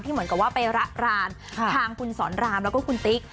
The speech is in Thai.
เหมือนกับว่าไประรานทางคุณสอนรามแล้วก็คุณติ๊ก